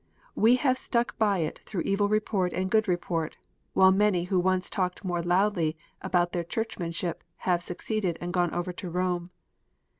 We have stuck by it through evil report and good report, while many who once talked more loudly about their Churchmanship have seceded and gone over to Rome.